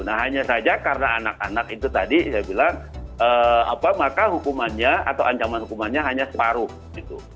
nah hanya saja karena anak anak itu tadi saya bilang maka hukumannya atau ancaman hukumannya hanya separuh gitu